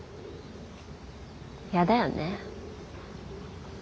やだよね。